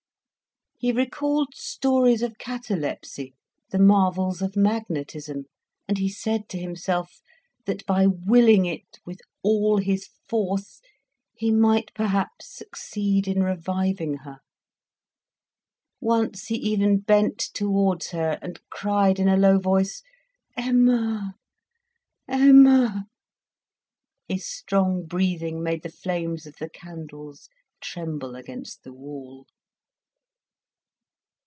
He recalled stories of catalepsy, the marvels of magnetism, and he said to himself that by willing it with all his force he might perhaps succeed in reviving her. Once he even bent towards he, and cried in a low voice, "Emma! Emma!" His strong breathing made the flames of the candles tremble against the wall.